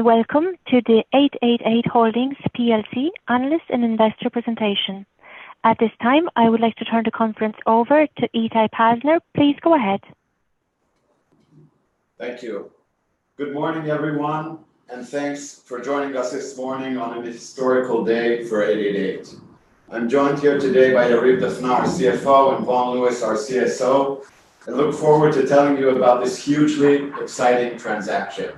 Welcome to the 888 Holdings PLC Analyst and Investor Presentation. At this time, I would like to turn the conference over to Itai Pazner. Please go ahead. Thank you. Good morning, everyone, and thanks for joining us this morning on an historical day for 888. I'm joined here today by Yariv Dafna, our CFO, and Vaughan Lewis, our CSO. I look forward to telling you about this hugely exciting transaction.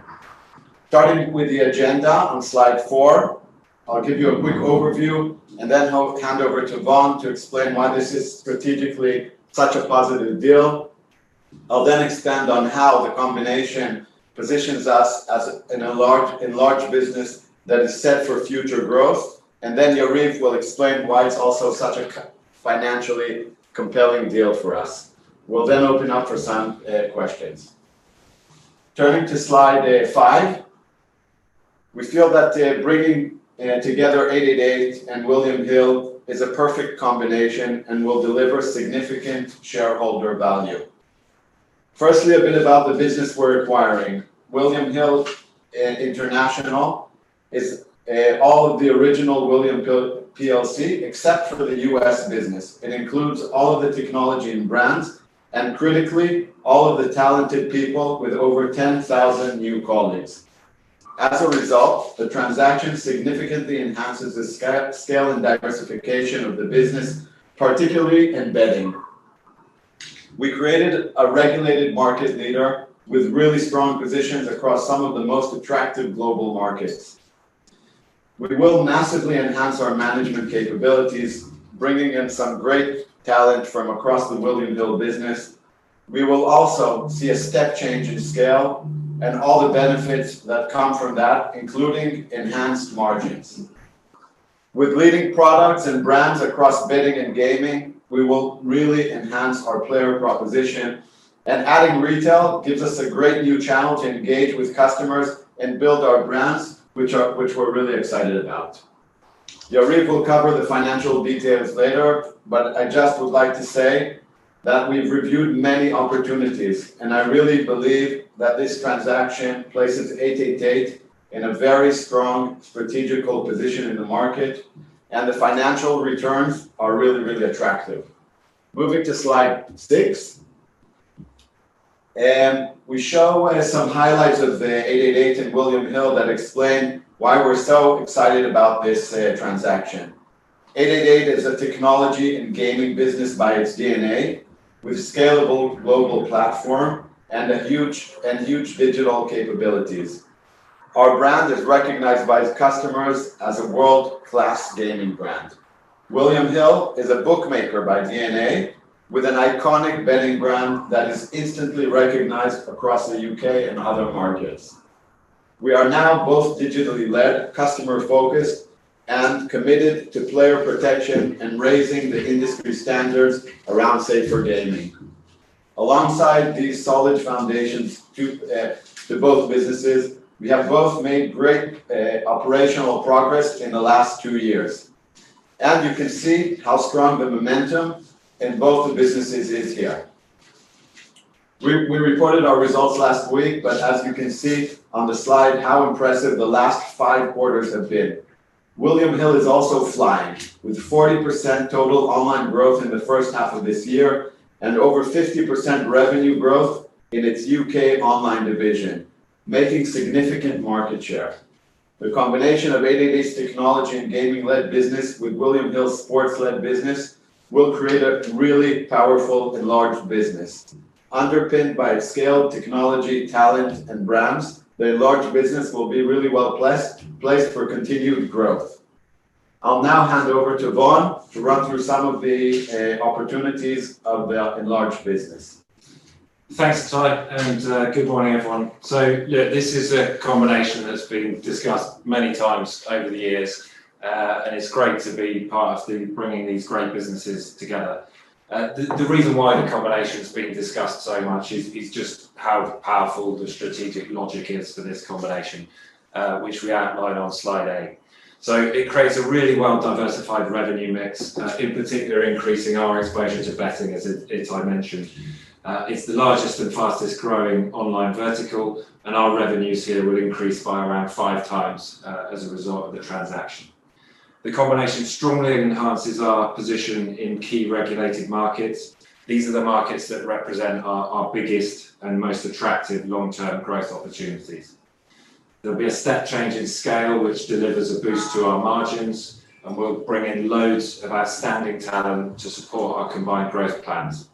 Starting with the agenda on slide four, I'll give you a quick overview and then hand over to Vaughan to explain why this is strategically such a positive deal. I'll then expand on how the combination positions us as an enlarged business that is set for future growth, and then Yariv will explain why it's also such a financially compelling deal for us. We'll then open up for some questions. Turning to slide 5. We feel that bringing together 888 and William Hill is a perfect combination and will deliver significant shareholder value. Firstly, a bit about the business we're acquiring. William Hill International is all of the original William Hill PLC except for the U.S. business. It includes all of the technology and brands, and critically, all of the talented people with over 10,000 new colleagues. As a result, the transaction significantly enhances the scale and diversification of the business, particularly in betting. We created a regulated market leader with really strong positions across some of the most attractive global markets. We will massively enhance our management capabilities, bringing in some great talent from across the William Hill business. We will also see a step change in scale and all the benefits that come from that, including enhanced margins. With leading products and brands across betting and gaming, we will really enhance our player proposition, and adding retail gives us a great new channel to engage with customers and build our brands, which we're really excited about. Yariv will cover the financial details later, but I just would like to say that we've reviewed many opportunities, and I really believe that this transaction places 888 in a very strong strategic position in the market, and the financial returns are really, really attractive. Moving to slide 6. We show some highlights of 888 and William Hill that explain why we're so excited about this transaction. 888 is a technology and gaming business by its DNA with a scalable global platform and huge digital capabilities. Our brand is recognized by its customers as a world-class gaming brand. William Hill is a bookmaker by DNA with an iconic betting brand that is instantly recognized across the U.K. and other markets. We are now both digitally led, customer-focused, and committed to player protection and raising the industry standards around safer gaming. Alongside these solid foundations to both businesses, we have both made great operational progress in the last two years. You can see how strong the momentum in both the businesses is here. We reported our results last week, as you can see on the slide how impressive the last five quarters have been. William Hill is also flying, with 40% total online growth in the first half of this year and over 50% revenue growth in its U.K. online division, making significant market share. The combination of 888's technology and gaming-led business with William Hill's sports-led business will create a really powerful enlarged business. Underpinned by scale, technology, talent, and brands, the enlarged business will be really well-placed for continued growth. I'll now hand over to Vaughan to run through some of the opportunities of the enlarged business. Thanks, Itai, and good morning, everyone. Yeah, this is a combination that's been discussed many times over the years, and it's great to be part of bringing these great businesses together. The reason why the combination's been discussed so much is just how powerful the strategic logic is for this combination, which we outline on slide 8. It creates a really well-diversified revenue mix, in particular, increasing our exposure to betting, as Itai mentioned. It's the largest and fastest-growing online vertical, and our revenues here will increase by around 5x as a result of the transaction. The combination strongly enhances our position in key regulated markets. These are the markets that represent our biggest and most attractive long-term growth opportunities. There'll be a step change in scale, which delivers a boost to our margins, and we'll bring in loads of outstanding talent to support our combined growth plans.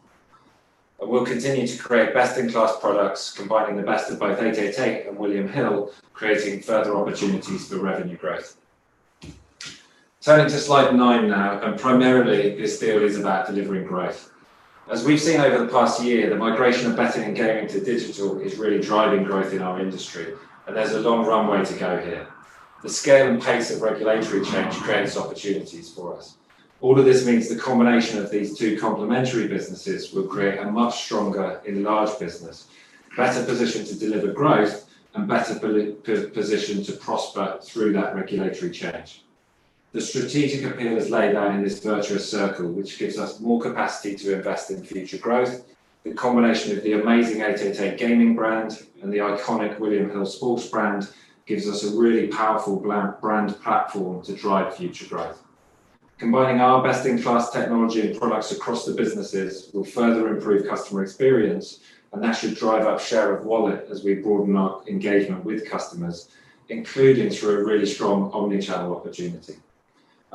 We'll continue to create best-in-class products, combining the best of both 888 and William Hill, creating further opportunities for revenue growth. Turning to slide nine now. Primarily, this deal is about delivering growth. As we've seen over the past year, the migration of betting and gaming to digital is really driving growth in our industry, and there's a long runway to go here. The scale and pace of regulatory change creates opportunities for us. All of this means the combination of these two complementary businesses will create a much stronger enlarged business, better positioned to deliver growth and better positioned to prosper through that regulatory change. The strategic appeal is laid out in this virtuous circle, which gives us more capacity to invest in future growth. The combination of the amazing 888 gaming brand and the iconic William Hill sports brand gives us a really powerful brand platform to drive future growth. Combining our best-in-class technology and products across the businesses will further improve customer experience, and that should drive up share of wallet as we broaden our engagement with customers, including through a really strong omni-channel opportunity.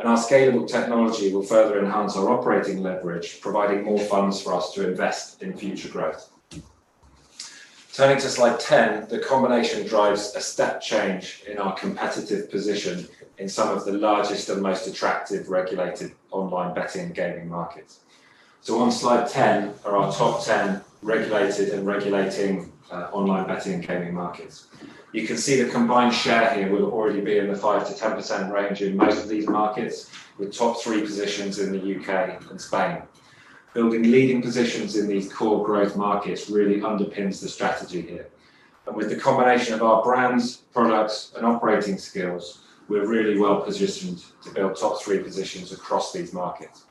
Our scalable technology will further enhance our operating leverage, providing more funds for us to invest in future growth. Turning to slide 10, the combination drives a step change in our competitive position in some of the largest and most attractive regulated online betting and gaming markets. On slide 10 are our top 10 regulated and regulating online betting and gaming markets. You can see the combined share here will already be in the 5%-10% range in most of these markets, with top three positions in the U.K. and Spain. Building leading positions in these core growth markets really underpins the strategy here. With the combination of our brands, products, and operating skills, we're really well-positioned to build top three positions across these markets.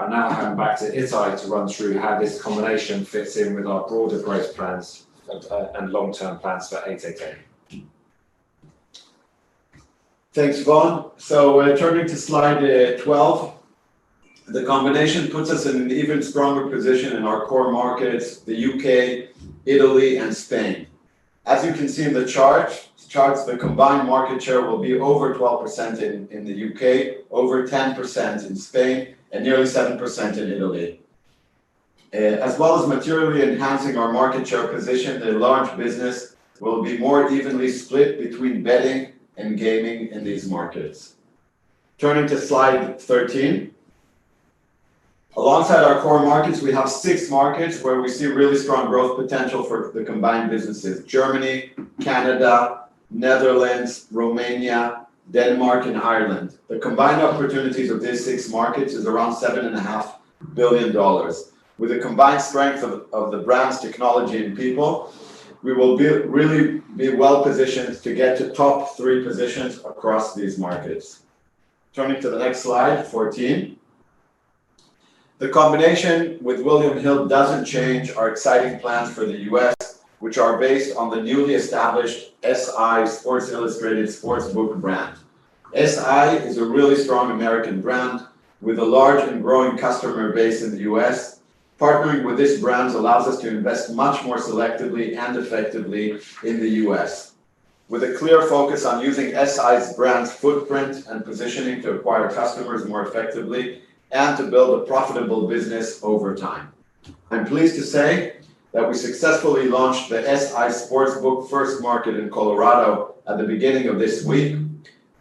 I now hand back to Itai to run through how this combination fits in with our broader growth plans and long-term plans for 888. Thanks, Vaughan. We're turning to slide 12. The combination puts us in an even stronger position in our core markets, the U.K., Italy, and Spain. As you can see in the charts, the combined market share will be over 12% in the U.K., over 10% in Spain, and nearly 7% in Italy. As well as materially enhancing our market share position, the enlarged business will be more evenly split between betting and gaming in these markets. Turning to slide 13. Alongside our core markets, we have six markets where we see really strong growth potential for the combined businesses, Germany, Canada, Netherlands, Romania, Denmark, and Ireland. The combined opportunities of these six markets is around $7.5 billion. With the combined strength of the brands, technology, and people, we will really be well-positioned to get to top three positions across these markets. Turning to the next slide, 14. The combination with William Hill doesn't change our exciting plans for the U.S., which are based on the newly established SI, Sports Illustrated sports book brand. SI is a really strong American brand with a large and growing customer base in the U.S. Partnering with this brand allows us to invest much more selectively and effectively in the U.S., with a clear focus on using SI's brand footprint and positioning to acquire customers more effectively and to build a profitable business over time. I'm pleased to say that we successfully launched the SI Sportsbook first market in Colorado at the beginning of this week,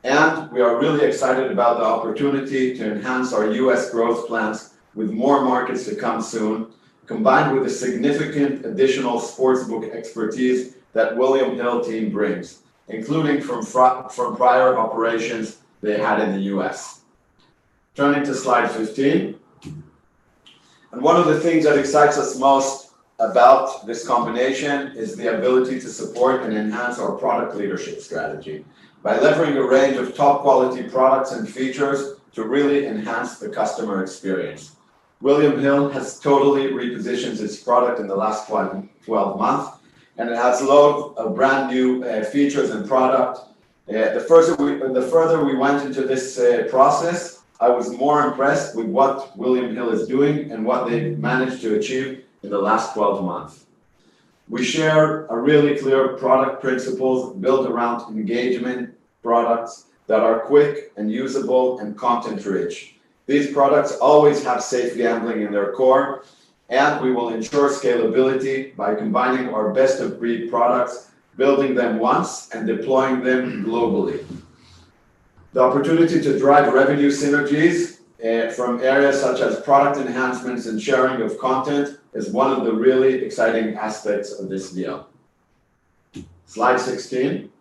and we are really excited about the opportunity to enhance our U.S. growth plans with more markets to come soon, combined with the significant additional sports book expertise that William Hill team brings, including from prior operations they had in the U.S. Turning to slide 15. One of the things that excites us most about this combination is the ability to support and enhance our product leadership strategy by delivering a range of top-quality products and features to really enhance the customer experience. William Hill has totally repositioned its product in the last 12 months, and it has a lot of brand-new features and product. The further we went into this process, I was more impressed with what William Hill is doing and what they managed to achieve in the last 12 months. We share really clear product principles built around engagement products that are quick and usable and content rich. These products always have safe gambling in their core, and we will ensure scalability by combining our best-of-breed products, building them once, and deploying them globally. The opportunity to drive revenue synergies from areas such as product enhancements and sharing of content is one of the really exciting aspects of this deal. Slide 16.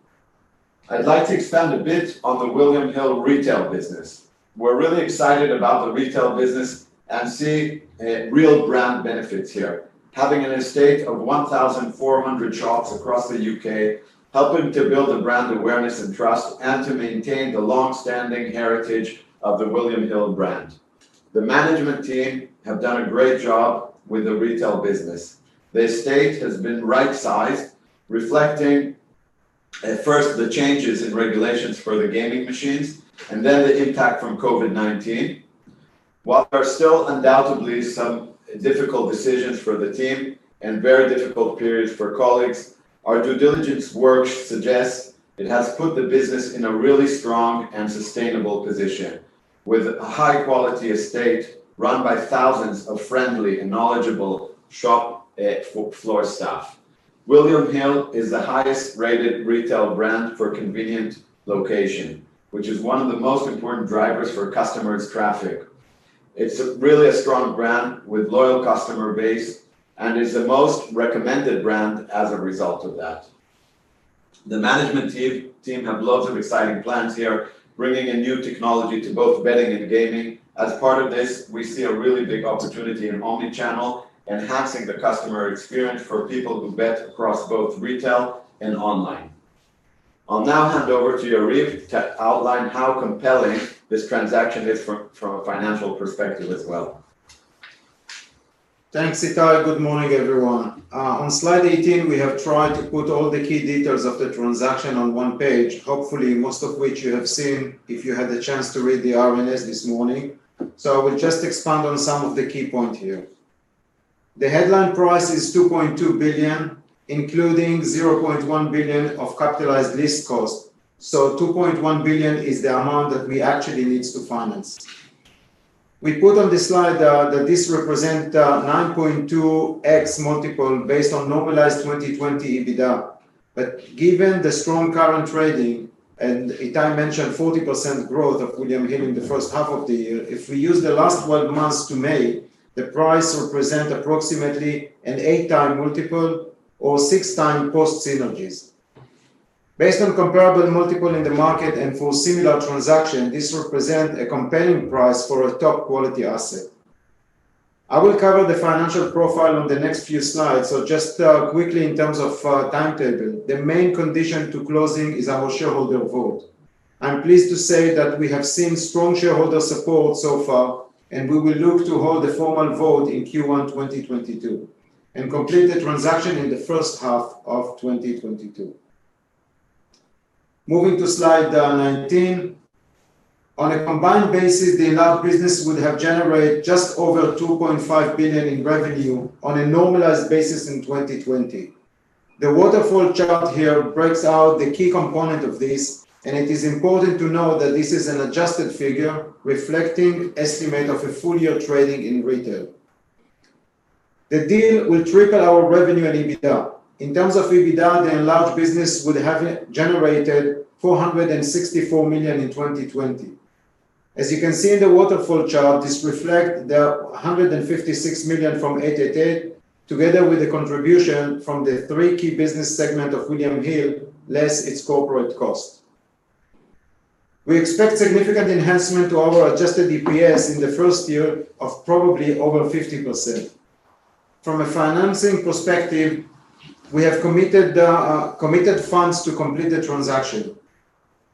I'd like to expand a bit on the William Hill retail business. We're really excited about the retail business and see real brand benefits here. Having an estate of 1,400 shops across the U.K., helping to build the brand awareness and trust, and to maintain the longstanding heritage of the William Hill brand. The management team have done a great job with the retail business. The estate has been right-sized, reflecting at first the changes in regulations for the gaming machines, and then the impact from COVID-19. While there are still undoubtedly some difficult decisions for the team and very difficult periods for colleagues, our due diligence work suggests it has put the business in a really strong and sustainable position with a high-quality estate run by thousands of friendly and knowledgeable shop floor staff. William Hill is the highest-rated retail brand for convenient location, which is one of the most important drivers for customers traffic. It's really a strong brand with loyal customer base and is the most recommended brand as a result of that. The management team have loads of exciting plans here, bringing in new technology to both betting and gaming. As part of this, we see a really big opportunity in omni-channel, enhancing the customer experience for people who bet across both retail and online. I'll now hand over to Yariv to outline how compelling this transaction is from a financial perspective as well. Thanks, Itai. Good morning, everyone. On slide 18, we have tried to put all the key details of the transaction on one page, hopefully most of which you have seen if you had the chance to read the RNS this morning. I will just expand on some of the key points here. The headline price is $2.2 billion, including $0.1 billion of capitalized lease cost. $2.1 billion is the amount that we actually need to finance. We put on this slide that this represents a 9.2x multiple based on normalized 2020 EBITDA. Given the strong current trading, and Itai mentioned 40% growth of William Hill in the first half of the year, if we use the last 12 months to May, the price will represent approximately an eight-time multiple or six-time post synergies. Based on comparable multiple in the market and for similar transaction, this represents a compelling price for a top-quality asset. I will cover the financial profile on the next few slides. Just quickly in terms of timetable, the main condition to closing is our shareholder vote. I'm pleased to say that we have seen strong shareholder support so far, and we will look to hold a formal vote in Q1 2022 and complete the transaction in the first half of 2022. Moving to slide 19. On a combined basis, the enlarged business would have generated just over $2.5 billion in revenue on a normalized basis in 2020. The waterfall chart here breaks out the key component of this, and it is important to note that this is an adjusted figure reflecting estimate of a full-year trading in retail. The deal will triple our revenue and EBITDA. In terms of EBITDA, the enlarged business would have generated 464 million in 2020. As you can see in the waterfall chart, this reflects the 156 million from 888 together with the contribution from the three key business segment of William Hill, less its corporate cost. We expect significant enhancement to our adjusted DPS in the first year of probably over 50%. From a financing perspective, we have committed funds to complete the transaction.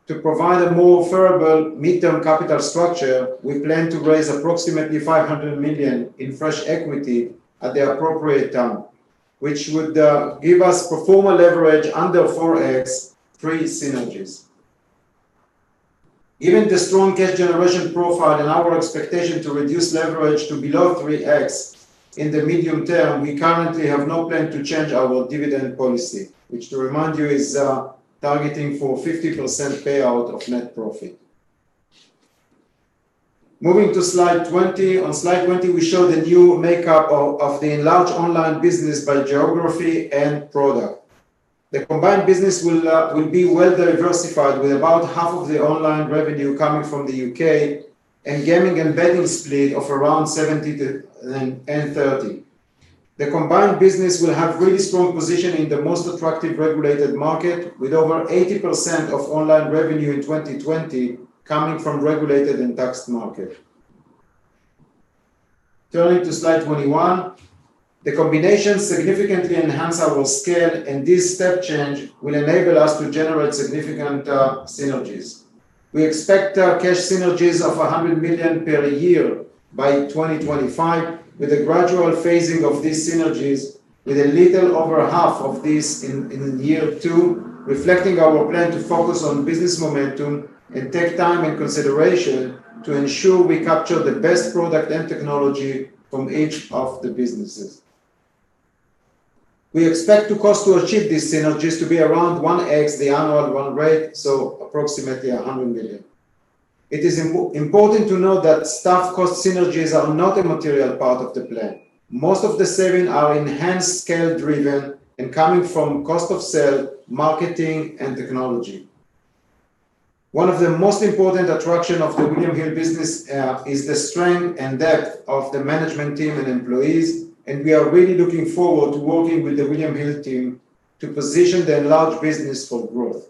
To provide a more favorable midterm capital structure, we plan to raise approximately 500 million in fresh equity at the appropriate time, which would give us pro forma leverage under 4x pre-synergies. Given the strong cash generation profile and our expectation to reduce leverage to below 3x in the medium term, we currently have no plan to change our dividend policy, which to remind you, is targeting for 50% payout of net profit. Moving to slide 20. On slide 20, we show the new makeup of the enlarged online business by geography and product. The combined business will be well-diversified with about half of the online revenue coming from the U.K. and Gaming and Betting split of around 70% and 30%. The combined business will have really strong position in the most attractive regulated markets with over 80% of online revenue in 2020 coming from regulated and taxed markets. Turning to slide 21. The combination significantly enhances our scale, and this step change will enable us to generate significant synergies. We expect cash synergies of 100 million per year by 2025 with a gradual phasing of these synergies with a little over half of this in year 2, reflecting our plan to focus on business momentum and take time and consideration to ensure we capture the best product and technology from each of the businesses. We expect the cost to achieve these synergies to be around 1x the annual run rate, so approximately 100 million. It is important to note that staff cost synergies are not a material part of the plan. Most of the saving are enhanced scale driven and coming from cost of sale, marketing, and technology. One of the most important attraction of the William Hill business is the strength and depth of the management team and employees, and we are really looking forward to working with the William Hill team to position the enlarged business for growth.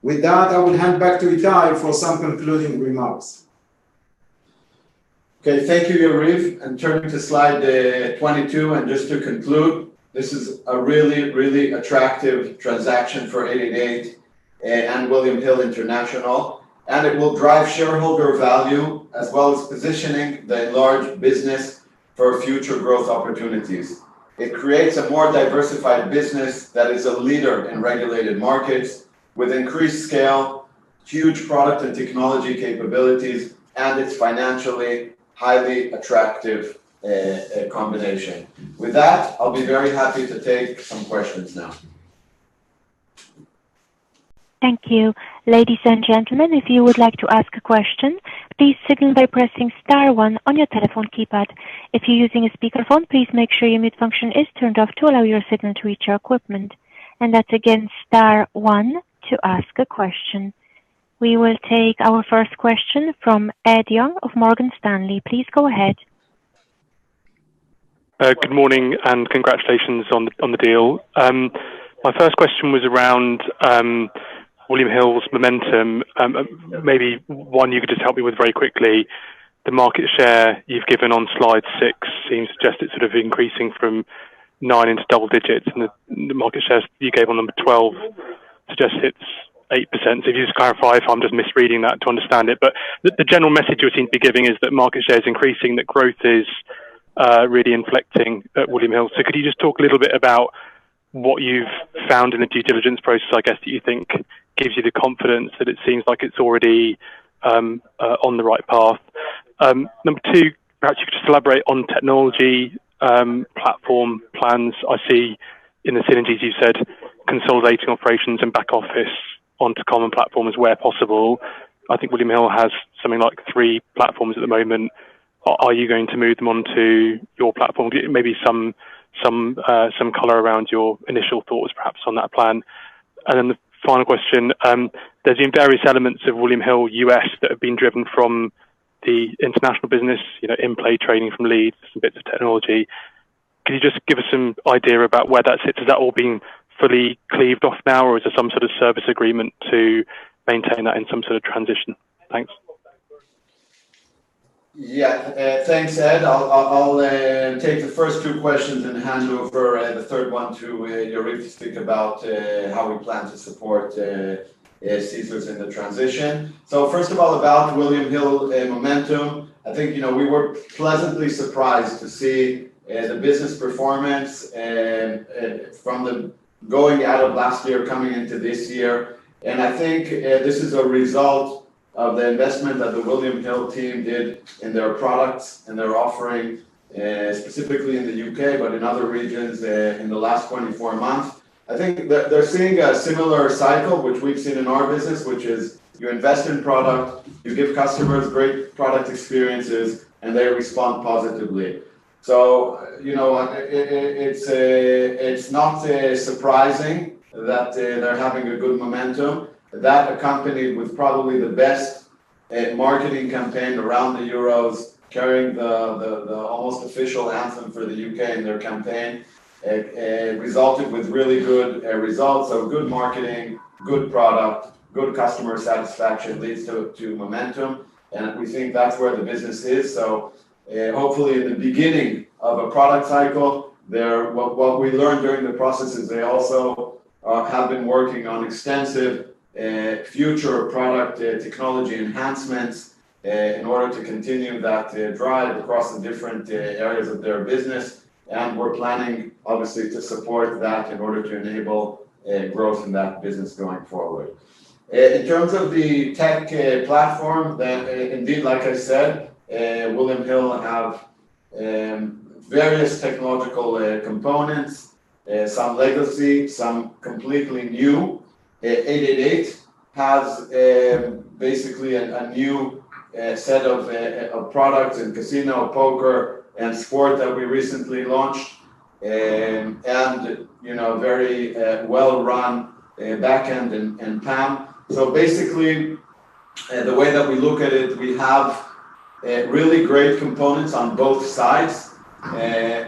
With that, I will hand back to Itai for some concluding remarks. Okay, thank you, Yariv. Turning to slide 22, just to conclude, this is a really, really attractive transaction for 888 and William Hill International. It will drive shareholder value as well as positioning the enlarged business for future growth opportunities. It creates a more diversified business that is a leader in regulated markets with increased scale, huge product and technology capabilities. It's financially highly attractive combination. With that, I'll be very happy to take some questions now. Thank you. Ladies and gentlemen, if you would like to ask a question, please signal by pressing star one on your telephone keypad. If you're using a speakerphone, please make sure your mute function is turned off to allow your signal to reach our equipment. That's again, star one to ask a question. We will take our first question from Ed Young of Morgan Stanley. Please go ahead. Good morning and congratulations on the deal. My first question was around William Hill's momentum, maybe one you could just help me with very quickly. The market share you've given on slide 6 seems to suggest it's increasing from nine into double digits, and the market shares you gave on number 12 Just hits 8%. If you just clarify if I'm just misreading that to understand it, but the general message you would seem to be giving is that market share is increasing, that growth is really inflicting William Hill. Could you just talk a little bit about what you've found in the due diligence process that you think gives you the confidence that it seems like it's already on the right path? Number two, perhaps you could just elaborate on technology, platform plans. I see in the synergies you said consolidating operations and back office onto common platforms where possible. William Hill has something like three platforms at the moment. Are you going to move them onto your platform? Maybe some color around your initial thoughts perhaps on that plan. The final question, there's been various elements of William Hill US that have been driven from the international business, in-play trading from Leeds, some bits of technology. Can you just give us some idea about where that sits? Is that all being fully cleaved off now, or is there some service agreement to maintain that in some transition? Thanks. Thanks, Ed. I'll take the first two questions and hand over the third one to Yariv to speak about how we plan to support Caesars in the transition. First of all, about William Hill momentum, we were pleasantly surprised to see the business performance from the going out of last year, coming into this year. This is a result of the investment that the William Hill team did in their products and their offering, specifically in the U.K., but in other regions there in the last 24 months. They're seeing a similar cycle, which we've seen in our business, which is you invest in product, you give customers great product experiences, and they respond positively. It's not surprising that they're having a good momentum. That accompanied with probably the best marketing campaign around the Euros, carrying the almost official anthem for the U.K. in their campaign, resulted with really good results. Good marketing, good product, good customer satisfaction leads to momentum, and we think that's where the business is. Hopefully in the beginning of a product cycle there, what we learned during the process is they also have been working on extensive future product technology enhancements in order to continue that drive across the different areas of their business. We're planning obviously to support that in order to enable growth in that business going forward. In terms of the tech platform, indeed, like I said, William Hill have various technological components, some legacy, some completely new. 888 has basically a new set of products in casino, poker and sport that we recently launched and very well run backend and PAM. Basically, the way that we look at it, we have really great components on both sides.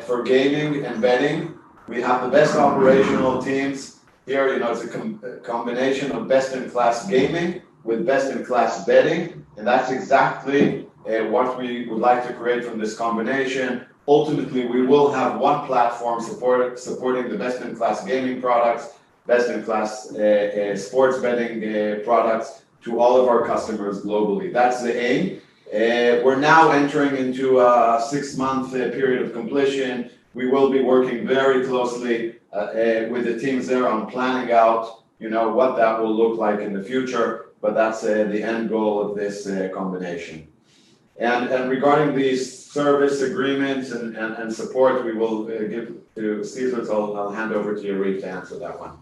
For gaming and betting, we have the best operational teams here. It's a combination of best-in-class gaming with best-in-class betting, and that's exactly what we would like to create from this combination. Ultimately, we will have one platform supporting the best-in-class gaming products, best-in-class sports betting products to all of our customers globally. That's the aim. We're now entering into a 6-month period of completion. We will be working very closely with the teams there on planning out what that will look like in the future. That's the end goal of this combination. Regarding the service agreements and support we will give to Caesars, I'll hand over to Yariv to answer that one.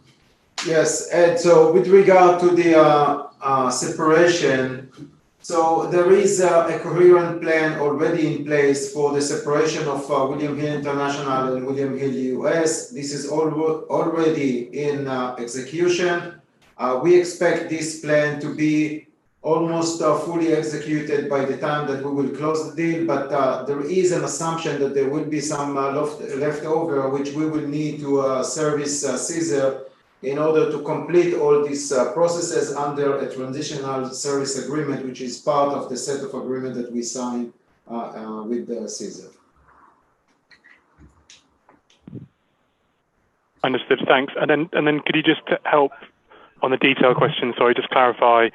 Yes, Ed, with regard to the separation, there is a coherent plan already in place for the separation of William Hill International and William Hill US. This is already in execution. We expect this plan to be almost fully executed by the time that we will close the deal. There is an assumption that there will be some leftover, which we will need to service Caesars in order to complete all these processes under a transitional service agreement, which is part of the set of agreement that we sign with Caesars. Understood. Thanks. Could you just help on the detail question, sorry, just clarify.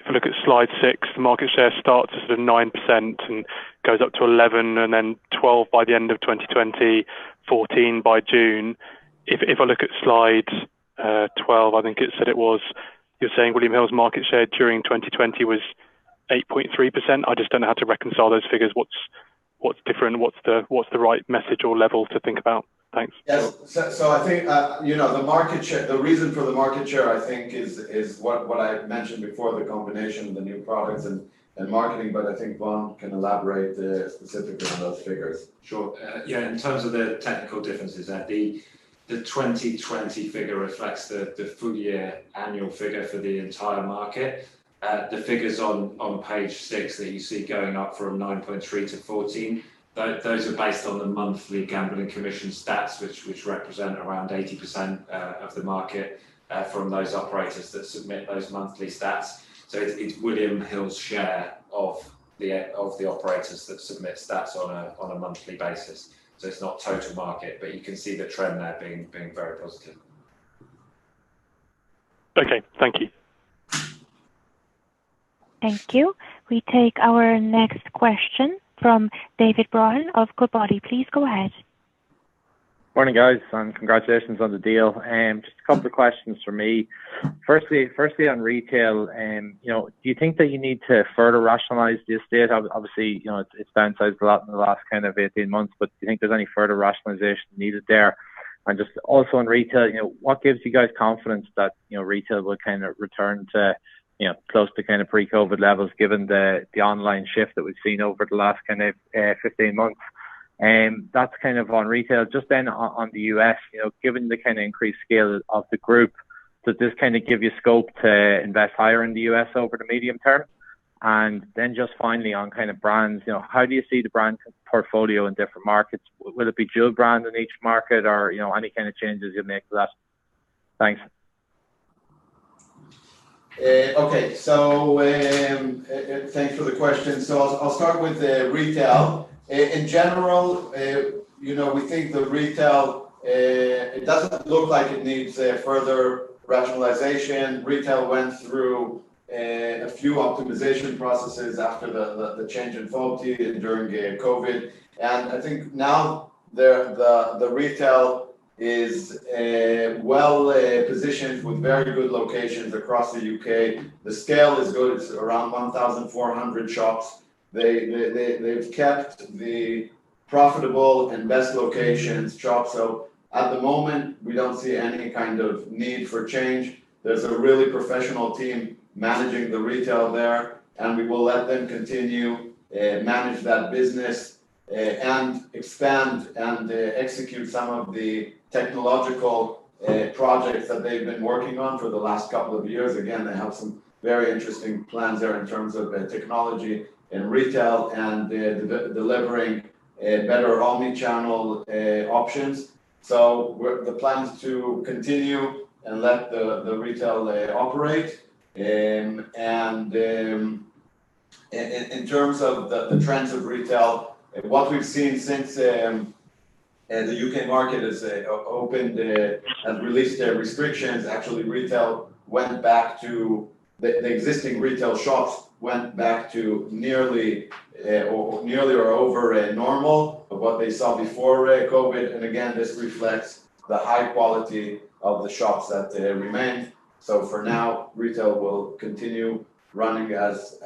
If I look at slide 6, the market share starts at 9% and goes up to 11% and then 12% by the end of 2020, 14% by June. If I look at slide 12, it said it was, you're saying William Hill's market share during 2020 was 8.3%. I just don't know how to reconcile those figures. What's different? What's the right message or level to think about? Thanks. The reason for the market share is what I mentioned before, the combination of the new products and marketing. Vaughan Lewis can elaborate specifically on those figures. Sure. In terms of the technical differences, Ed, the 2020 figure reflects the full year annual figure for the entire market. The figures on page 6 that you see going up from 9.3 to 14, those are based on the monthly Gambling Commission stats, which represent around 80% of the market from those operators that submit those monthly stats. It's William Hill's share of the operators that submit stats on a monthly basis. It's not total market, but you can see the trend there being very positive. Okay. Thank you. Thank you. We take our next question from David Brohan of Goodbody. Please go ahead. Morning, guys. Congratulations on the deal. Just a couple of questions from me. Firstly on retail, do you think that you need to further rationalize this deal? Obviously, it's been sized a lot in the last 18 months. Do you think there's any further rationalization needed there? Just also on retail, what gives you guys confidence that retail will return to close to pre-COVID levels, given the online shift that we've seen over the last 15 months? That's on retail. Just on the U.S., given the increased scale of the group, does this give you scope to invest higher in the U.S. over the medium term? Just finally, on brands, how do you see the brand portfolio in different markets? Will it be dual brand in each market or any changes you'll make to that? Thanks. Thanks for the question. I'll start with retail. In general, we think the retail, it doesn't look like it needs a further rationalization. Retail went through a few optimization processes after the change in 2020 during COVID-19. Now the retail is well-positioned with very good locations across the U.K. The scale is good. It's around 1,400 shops. They've kept the profitable and best locations shops. At the moment, we don't see any need for change. There's a really professional team managing the retail there, and we will let them continue, manage that business, and expand and execute some of the technological projects that they've been working on for the last couple of years. Again, they have some very interesting plans there in terms of technology in retail and delivering better omni-channel options. The plan is to continue and let the retail operate. In terms of the trends of retail, what we've seen since the U.K. market has opened and released restrictions, actually the existing retail shops went back to nearly or over normal of what they saw before COVID. Again, this reflects the high quality of the shops that remain. For now, retail will continue running as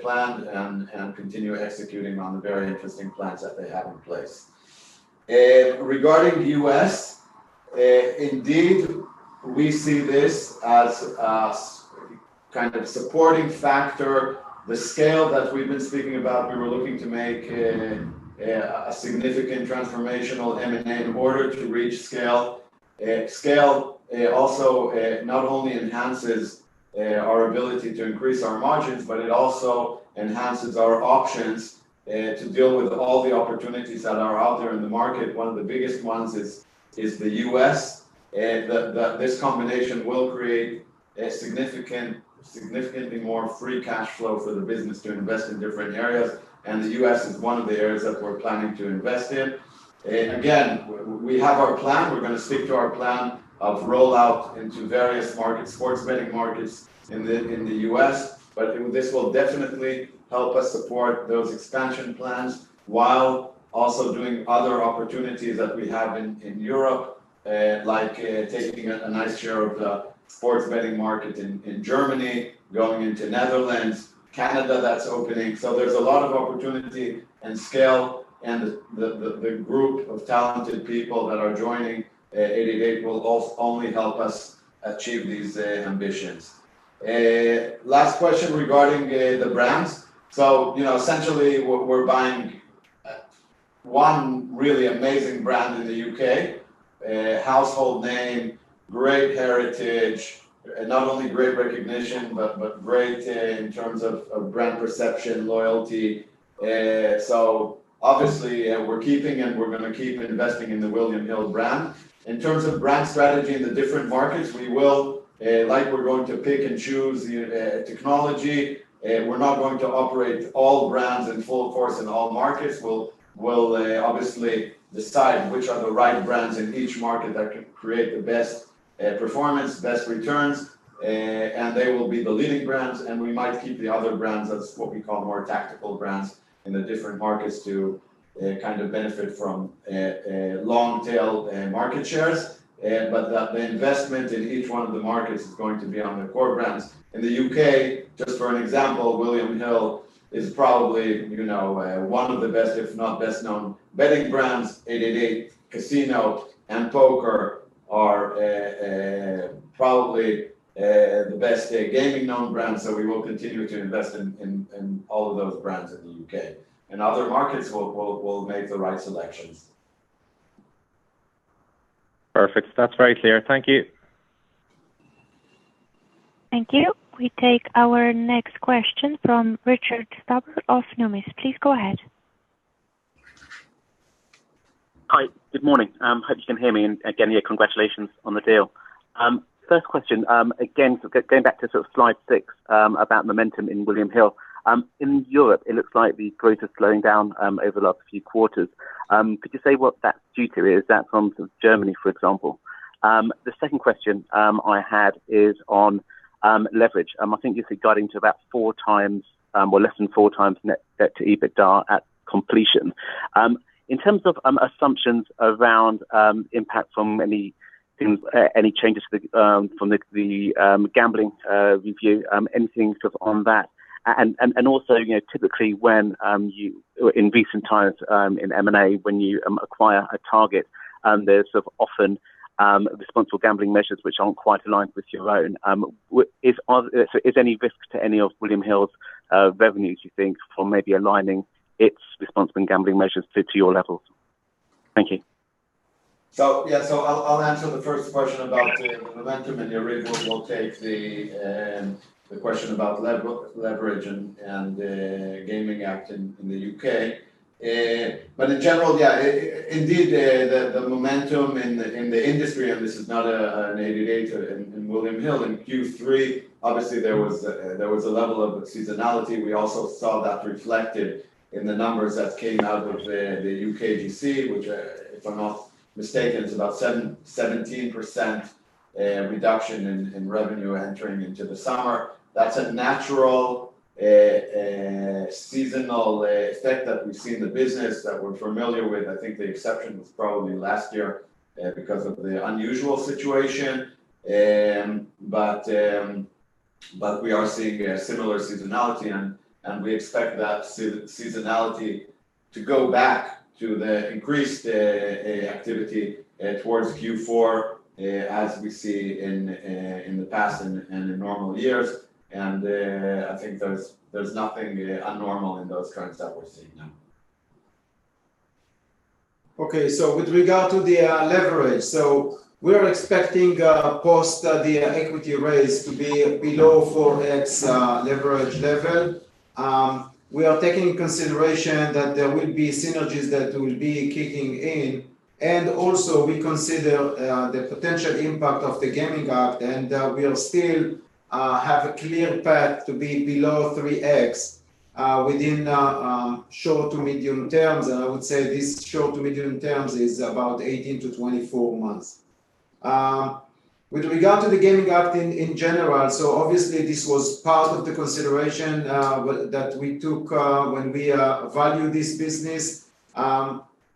planned and continue executing on the very interesting plans that they have in place. Regarding the U.S., indeed, we see this as a supporting factor. The scale that we've been speaking about, we were looking to make a significant transformational M&A in order to reach scale. Scale also not only enhances our ability to increase our margins, but it also enhances our options to deal with all the opportunities that are out there in the market. One of the biggest ones is the U.S. This combination will create significantly more free cash flow for the business to invest in different areas. The U.S. is one of the areas that we're planning to invest in. Again, we have our plan. We're going to stick to our plan of rollout into various markets, sports betting markets in the U.S. This will definitely help us support those expansion plans while also doing other opportunities that we have in Europe, like taking a nice share of the sports betting market in Germany, going into Netherlands, Canada that's opening. There's a lot of opportunity and scale, and the group of talented people that are joining 888 will only help us achieve these ambitions. Last question regarding the brands. Essentially, we're buying one really amazing brand in the U.K., a household name, great heritage, not only great recognition, but great in terms of brand perception, loyalty. Obviously, we're keeping and we're going to keep investing in the William Hill brand. In terms of brand strategy in the different markets, we will, like we're going to pick and choose technology. We're not going to operate all brands in full force in all markets. We'll obviously decide which are the right brands in each market that can create the best performance, best returns, and they will be the leading brands. We might keep the other brands, that is what we call more tactical brands, in the different markets to benefit from long-tail market shares. The investment in each one of the markets is going to be on the core brands. In the U.K., just for an example, William Hill is probably one of the best, if not best known betting brands. 888casino and Poker are probably the best gaming known brands. We will continue to invest in all of those brands in the U.K. In other markets, we will make the right selections. Perfect. That's very clear. Thank you. Thank you. We take our next question from Richard Stuber of Numis. Please go ahead. Hi. Good morning. Hope you can hear me and again, congratulations on the deal. First question, again, going back to slide 6 about momentum in William Hill. In Europe, it looks like the growth is slowing down over the last few quarters. Could you say what that's due to? Is that from Germany, for example? The second question I had is on leverage. You said guiding to about 4x or less than 4x net debt to EBITDA at completion. In terms of assumptions around impact from any changes from the Gambling Act review, anything on that? Typically in recent times in M&A, when you acquire a target, there's often responsible gambling measures which aren't quite aligned with your own. Is there any risk to any of William Hill's revenues, you think, from maybe aligning its responsible gambling measures to your levels? Thank you. I'll answer the 1st question about the momentum, and Yariv will take the question about leverage and the Gambling Act in the U.K. In general, yeah, indeed, the momentum in the industry, and this is not an 888 in William Hill, in Q3, obviously there was a level of seasonality. We also saw that reflected in the numbers that came out of the UKGC, which, if I'm not mistaken, is about 17% reduction in revenue entering into the summer. That's a natural, seasonal effect that we see in the business that we're familiar with. The exception was probably last year because of the unusual situation. We are seeing a similar seasonality, and we expect that seasonality to go back to the increased activity towards Q4 as we see in the past and in normal years. There's nothing abnormal in those trends that we're seeing now. With regard to the leverage, we are expecting post the equity raise to be below 4x leverage level. We are taking into consideration that there will be synergies that will be kicking in, also we consider the potential impact of the gaming act, and we'll still have a clear path to be below 3x within short to medium terms, and I would say this short to medium terms is about 18-24 months. With regard to the gaming act in general, obviously this was part of the consideration that we took when we valued this business.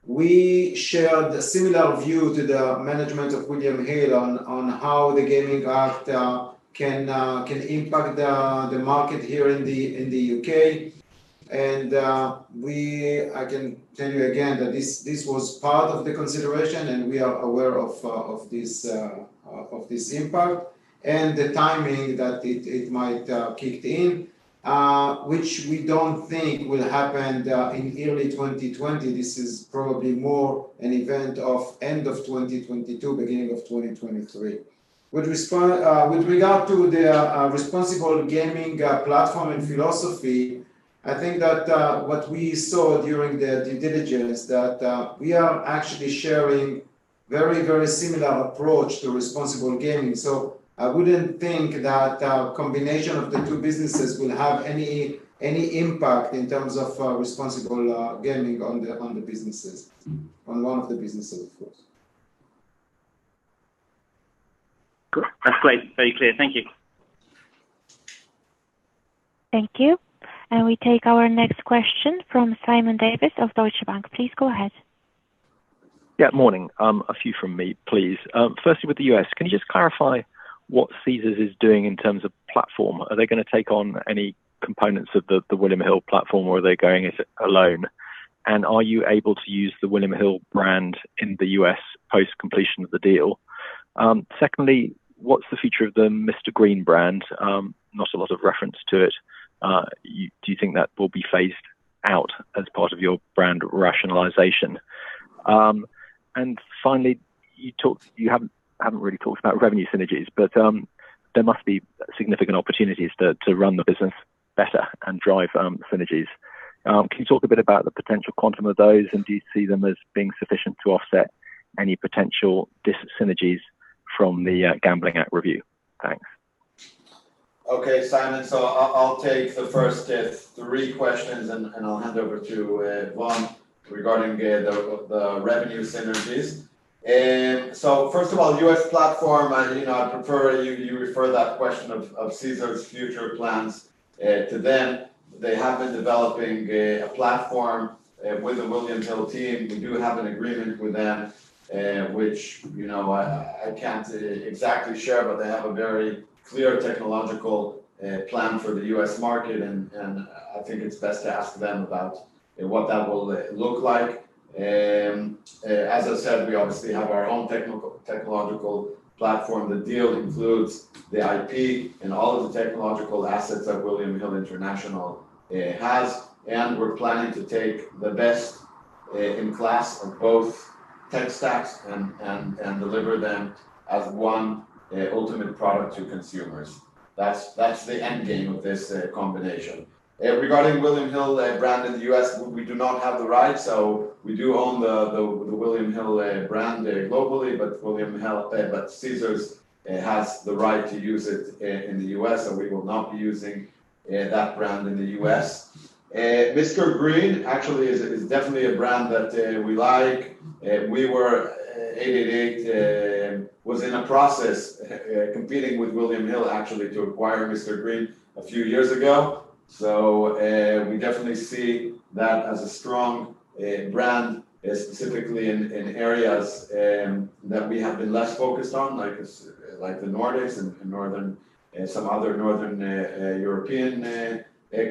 We shared a similar view to the management of William Hill on how the gaming act can impact the market here in the U.K. I can tell you again that this was part of the consideration, and we are aware of this impact and the timing that it might kick in, which we don't think will happen in early 2020. This is probably more an event of end of 2022, beginning of 2023. With regard to the responsible gaming platform and philosophy, that what we saw during the due diligence, that we are actually sharing very similar approach to responsible gaming. I wouldn't think that a combination of the two businesses will have any impact in terms of responsible gaming on the businesses. On one of the businesses, of course. Cool. That's great. Very clear. Thank you. Thank you. We take our next question from Simon Davies of Deutsche Bank. Please go ahead. Yeah, good morning. A few from me, please. Firstly, with the U.S., can you just clarify what Caesars is doing in terms of platform? Are they going to take on any components of the William Hill platform, or are they going it alone? Are you able to use the William Hill brand in the U.S. post-completion of the deal? Secondly, what's the future of the Mr Green brand? Not a lot of reference to it. Do you think that will be phased out as part of your brand rationalization? Finally, you haven't really talked about revenue synergies, but there must be significant opportunities to run the business better and drive synergies. Can you talk a bit about the potential quantum of those, and do you see them as being sufficient to offset any potential dis-synergies from the Gambling Act review? Thanks. Okay, Simon. I'll take the first three questions, and I'll hand over to Yariv regarding the revenue synergies. First of all, US platform, I'd prefer you refer that question of Caesars' future plans to them. They have been developing a platform with the William Hill team. We do have an agreement with them, which I can't exactly share, but they have a very clear technological plan for the US market, and it's best to ask them about what that will look like. As I said, we obviously have our own technological platform. The deal includes the IP and all of the technological assets that William Hill International has, and we're planning to take the best in class of both tech stacks and deliver them as one ultimate product to consumers. That's the end game of this combination. Regarding William Hill brand in the U.S., we do not have the rights. We do own the William Hill brand globally. Caesars has the right to use it in the U.S. We will not be using that brand in the U.S. Mr. Green actually is definitely a brand that we like. 888 was in a process competing with William Hill, actually, to acquire Mr Green a few years ago. We definitely see that as a strong brand, specifically in areas that we have been less focused on, like the Nordics and some other northern European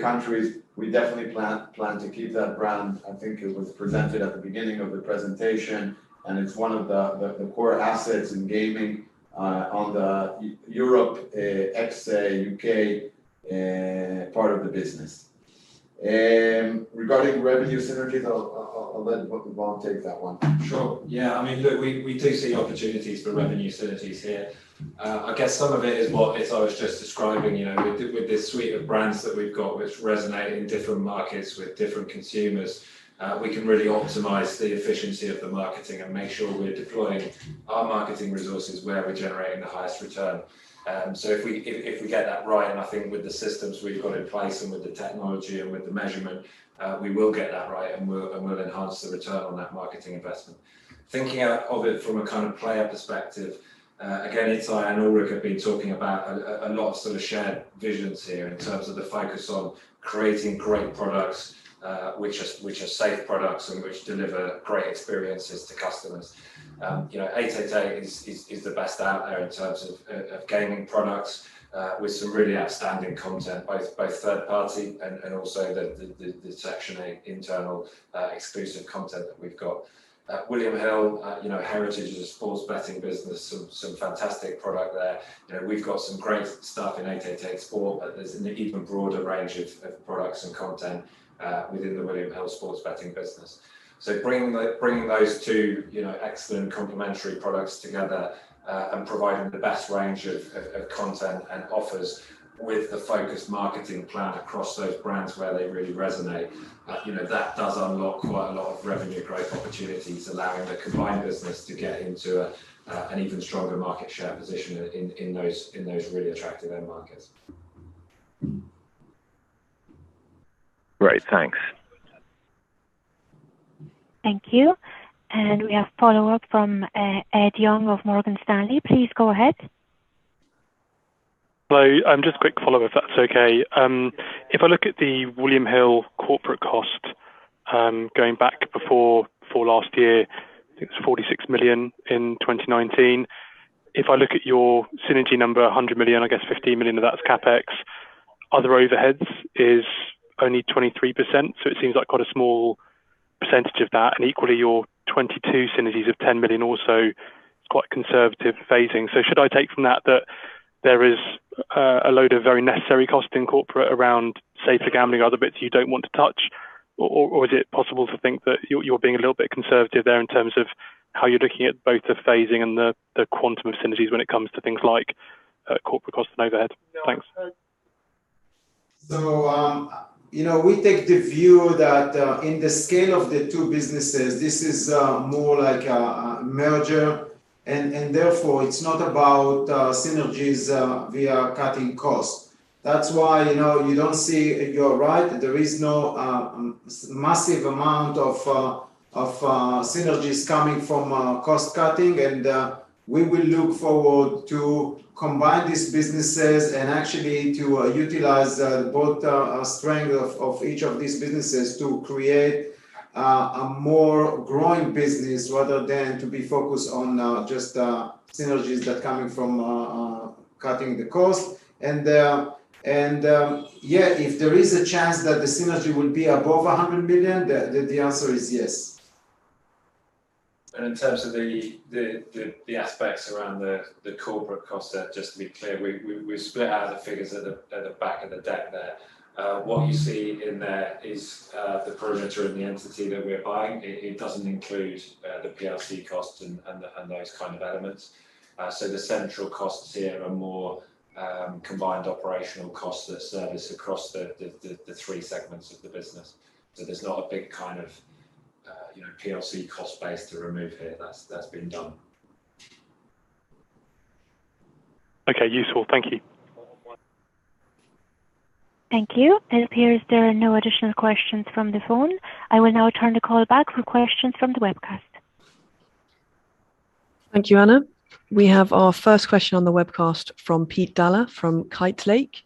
countries. We definitely plan to keep that brand. It was presented at the beginning of the presentation, and it's one of the core assets in gaming on the Europe ex U.K. part of the business. Regarding revenue synergies, I'll let Vaughan take that one. Sure. Look, we do see opportunities for revenue synergies here. Some of it is what Itai was just describing. With this suite of brands that we've got, which resonate in different markets with different consumers, we can really optimize the efficiency of the marketing and make sure we're deploying our marketing resources where we're generating the highest return. If we get that right, and with the systems we've got in place and with the technology and with the measurement, we will get that right, and we'll enhance the return on that marketing investment. Thinking of it from a player perspective, again, Itai and Ulrik have been talking about a lot of shared visions here in terms of the focus on creating great products, which are safe products and which deliver great experiences to customers. 888 is the best out there in terms of gaming products, with some really outstanding content, both third party and also the Section eight internal exclusive content that we've got. William Hill heritage as a sports betting business, some fantastic product there. We've got some great stuff in 888 Sport, but there's an even broader range of products and content within the William Hill sports betting business. Bringing those two excellent complementary products together and providing the best range of content and offers with the focused marketing plan across those brands where they really resonate, that does unlock quite a lot of revenue growth opportunities, allowing the combined business to get into an even stronger market share position in those really attractive end markets. Great, thanks. Thank you. We have a follow-up from Ed Young of Morgan Stanley. Please go ahead. Hello. Just a quick follow-up, if that's okay. If I look at the William Hill corporate cost, going back before last year, it was 46 million in 2019. If I look at your synergy number, 100 million, 15 million of that's CapEx. Other overheads is only 23%, so it seems like quite a small percentage of that. Equally, your 2022 synergies of 10 million also is quite conservative phasing. Should I take from that that there is a load of very necessary cost in corporate around safer gambling, other bits you don't want to touch? Is it possible to think that you're being a little bit conservative there in terms of how you're looking at both the phasing and the quantum of synergies when it comes to things like corporate cost and overhead? Thanks. We take the view that in the scale of the two businesses, this is more like a merger, and therefore it's not about synergies via cutting costs. That's why you don't see, and you're right, there is no massive amount of synergies coming from cost-cutting. We will look forward to combine these businesses and actually to utilize both strengths of each of these businesses to create a more growing business, rather than to be focused on just synergies that are coming from cutting the costs. Yeah, if there is a chance that the synergy will be above 100 million, the answer is yes. In terms of the aspects around the corporate cost there, just to be clear, we split out of the figures at the back of the deck there. What you see in there is the perimeter and the entity that we're buying. It doesn't include the PLC costs and those elements. The central costs here are more combined operational costs that service across the three segments of the business. There's not a big PLC cost base to remove here. That's been done. Okay, useful. Thank you. Thank you. It appears there are no additional questions from the phone. I will now turn the call back for questions from the webcast. Thank you, Anna. We have our first question on the webcast from Pete Dalla from Kite Lake.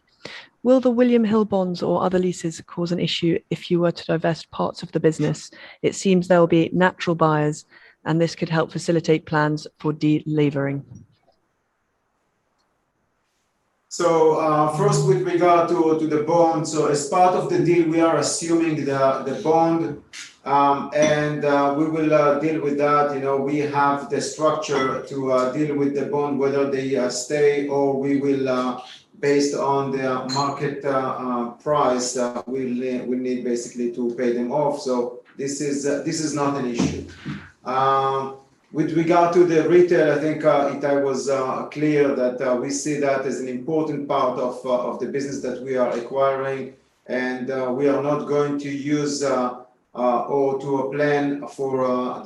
Will the William Hill bonds or other leases cause an issue if you were to divest parts of the business? It seems there will be natural buyers, and this could help facilitate plans for de-levering. First, with regard to the bond, so as part of the deal, we are assuming the bond, and we will deal with that. We have the structure to deal with the bond, whether they stay or we will based on their market price, we need basically to pay them off. This is not an issue. With regard to the retail, Itai was clear that we see that as an important part of the business that we are acquiring, and we are not going to use or to plan for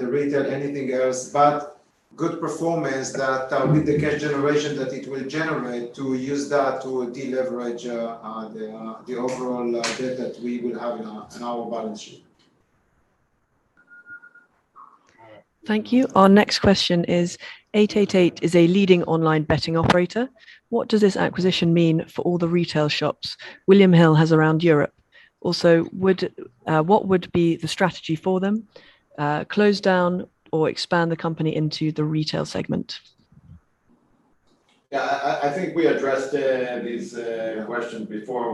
the retail anything else, but good performance that with the cash generation that it will generate to use that to deleverage the overall debt that we will have in our balance sheet. Thank you. Our next question is, 888 is a leading online betting operator. What does this acquisition mean for all the retail shops William Hill has around Europe? What would be the strategy for them, close down or expand the company into the retail segment? Yeah, we addressed these questions before.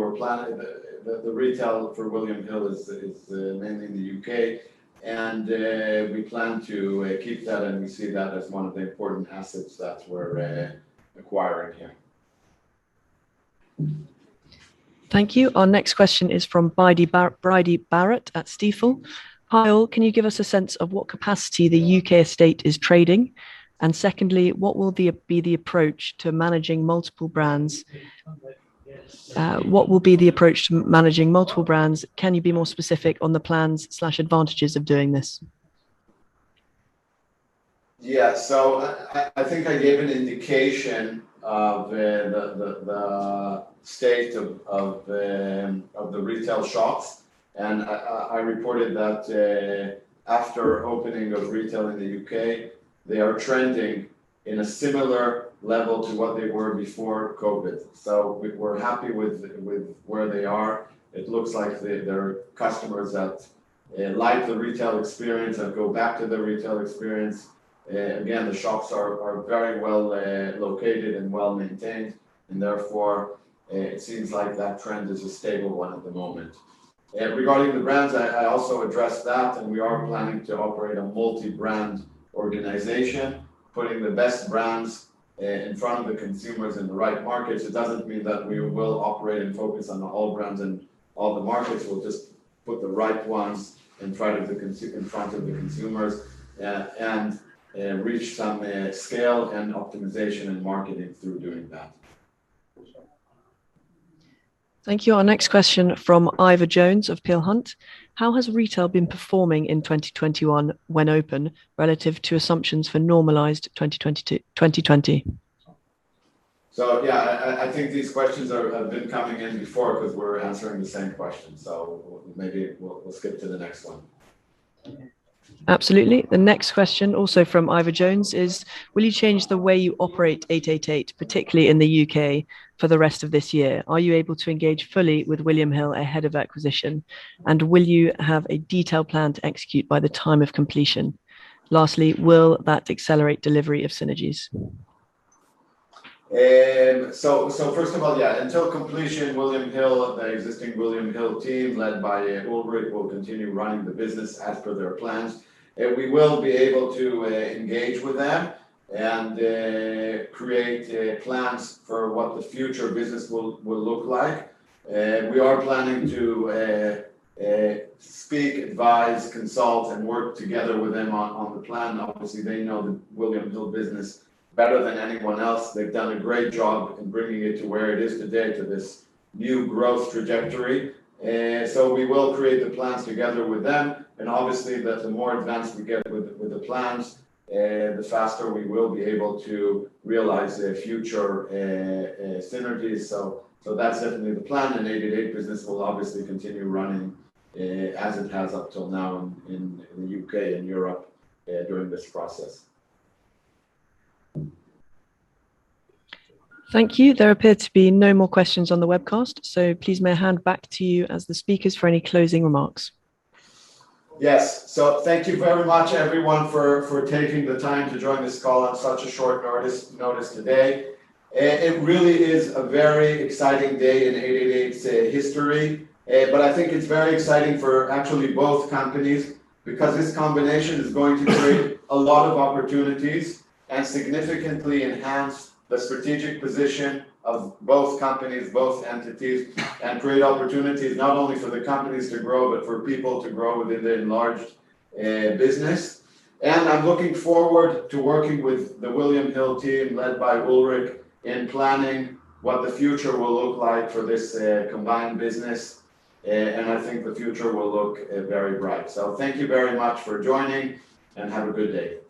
The retail for William Hill is mainly in the U.K., and we plan to keep that, and we see that as one of the important assets that we're acquiring here. Thank you. Our next question is from Bridie Barrett at Stifel. Payal, can you give us a sense of what capacity the U.K. estate is trading? Secondly, what will be the approach to managing multiple brands? Can you be more specific on the plans/advantages of doing this? Yeah, I gave an indication of the state of the retail shops, and I reported that after opening of retail in the U.K., they are trending in a similar level to what they were before COVID-19. We're happy with where they are. It looks like there are customers that like the retail experience and go back to the retail experience. Again, the shops are very well located and well-maintained, and therefore, it seems like that trend is a stable one at the moment. Regarding the brands, I also addressed that, and we are planning to operate a multi-brand organization, putting the best brands in front of the consumers in the right markets. It doesn't mean that we will operate and focus on all brands and all the markets. We'll just put the right ones in front of the consumers, and reach some scale and optimization in marketing through doing that. Thank you. Our next question from Ivor Jones of Peel Hunt. How has retail been performing in 2021 when open relative to assumptions for normalized 2020? Yeah, these questions have been coming in before because we're answering the same question. Maybe we'll skip to the next one. Absolutely. The next question, also from Ivor Jones, is will you change the way you operate 888, particularly in the U.K., for the rest of this year? Are you able to engage fully with William Hill ahead of acquisition, and will you have a detailed plan to execute by the time of completion? Lastly, will that accelerate delivery of synergies? First of all, until completion, the existing William Hill team, led by Ulrik, will continue running the business as per their plans. We will be able to engage with them and create plans for what the future business will look like. We are planning to speak, advise, consult, and work together with them on the plan. Obviously, they know the William Hill business better than anyone else. They've done a great job in bringing it to where it is today, to this new growth trajectory. We will create the plans together with them, and obviously, the more advanced we get with the plans, the faster we will be able to realize the future synergies. That's definitely the plan, and 888 business will obviously continue running as it has up till now in the U.K. and Europe during this process. Thank you. There appear to be no more questions on the webcast, please may I hand back to you as the speakers for any closing remarks. Yes. Thank you very much, everyone, for taking the time to join this call on such a short notice today. It really is a very exciting day in 888's history. It's very exciting for actually both companies because this combination is going to create a lot of opportunities and significantly enhance the strategic position of both companies, both entities, and create opportunities not only for the companies to grow, but for people to grow within the enlarged business. I'm looking forward to working with the William Hill team, led by Ulrik, in planning what the future will look like for this combined business, and the future will look very bright. Thank you very much for joining, and have a good day.